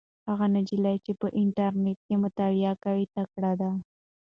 هغه نجلۍ چې په انټرنيټ کې مطالعه کوي تکړه ده.